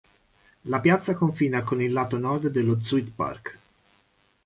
La piazza confina con il lato nord dello "Zuidpark".